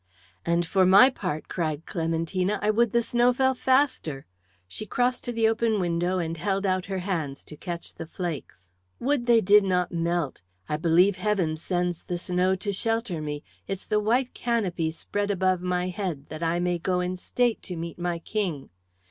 "And for my part," cried Clementina, "I would the snow fell faster." She crossed to the open window and held out her hands to catch the flakes. "Would they did not melt! I believe Heaven sends the snow to shelter me. It's the white canopy spread above my head, that I may go in state to meet my King."